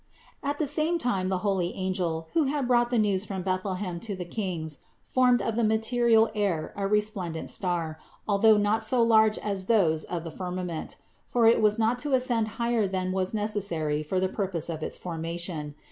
556. At the same time the holy angel, who had brought the news from Bethlehem to the kings, formed of the material air a most resplendent star, although not so large as those of the firmament ; for it was not to ascend higher than was necessary for the purpose of its formation.